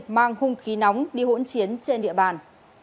mang hung khí nóng đi hỗn chiến trên địa bàn